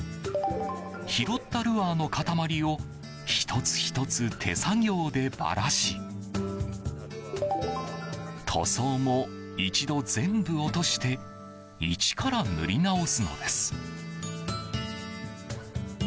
拾ったルアーの固まりを１つ１つ手作業でばらし塗装も、一度全部落として一から塗り直すのです。